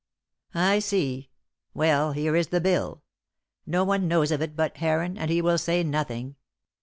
"I see. Well, here is the bill. No one knows of it but Heron, and he will say nothing.